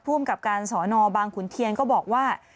ผู้อำนวนการสนบางขุนเทียนก็บอกว่า